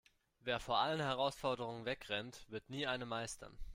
Wer vor allen Herausforderungen wegrennt, wird nie eine meistern.